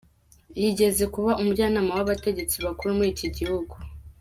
Yigeze kuba umujyanama w'abategetsi bakuru muri iki gihugu.